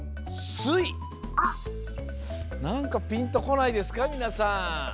なんかピンとこないですかみなさん？